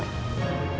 saya akan bantu ibu